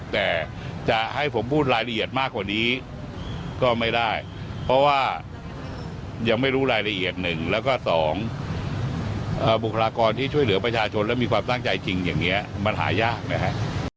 แต่จะให้ผมพูดรายละเอียดมากกว่านี้ก็ไม่ได้เพราะว่ายังไม่รู้รายละเอียดหนึ่งแล้วก็สองบุคลากรที่ช่วยเหลือประชาชนและมีความตั้งใจจริงอย่างนี้มันหายากนะฮะ